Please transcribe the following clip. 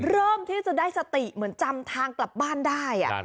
เริ่มที่จะได้สติเหมือนจำทางกลับบ้านได้